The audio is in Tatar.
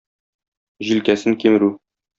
Җилкәсен кимерү.